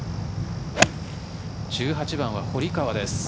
１８番は堀川です。